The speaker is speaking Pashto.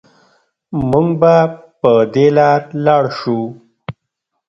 مونږ به په دې لارې لاړ شو